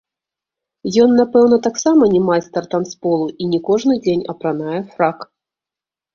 Ён, напэўна, таксама не майстар танцполу і не кожны дзень апранае фрак.